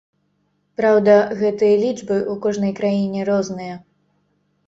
Праўда, гэтыя лічбы ў кожнай краіне розныя.